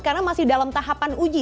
karena masih dalam tahapan uji